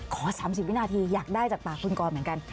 ขอ๓๐วินาทีอยากได้จากปากคุณกรเหมือนกัน